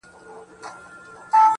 علما یې تروروي